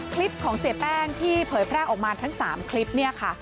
คลิปของเสียแป้งที่เผยแพร่ออกมาทั้ง๓คลิปเนี่ยค่ะ